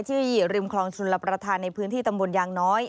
ที่ริมคลองชุนรับประทานในพื้นที่ตำบลยางน้อย